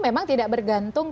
memang tidak bergantung